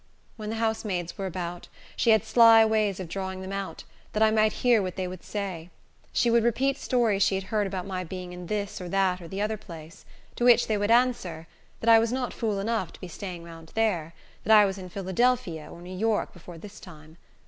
When the housemaids were about, she had sly ways of drawing them out, that I might hear what they would say. She would repeat stories she had heard about my being in this, or that, or the other place. To which they would answer, that I was not fool enough to be staying round there; that I was in Philadelphia or New York before this time.